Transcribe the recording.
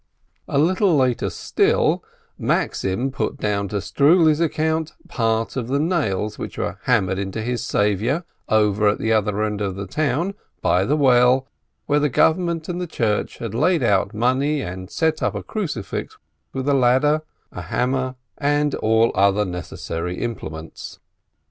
A little later still, Maxim put down to Struli's account part of the nails which were hammered into his Savior, over at the other end of the town, by the well, where the Government and the Church had laid out money and set up a crucifix with a ladder, a hammer, and all other necessary implements.